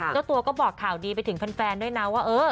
เจ้าตัวก็บอกข่าวดีไปถึงแฟนด้วยนะว่า